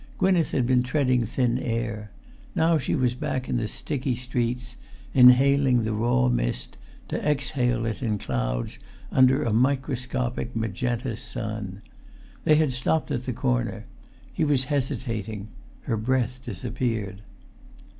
Gwynneth had been treading thin air; now she was back in the sticky streets, inhaling the raw mist, to exhale it in clouds under a microscopic magenta sun. They had stopped at the corner; he was hesitating: her breath disappeared.